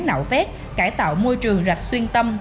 nạo phép cải tạo môi trường rạch xuyên tâm